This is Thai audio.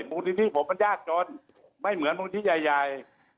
บุตรที่ผมมันยากจนไม่เหมือนบุตรที่ใหญ่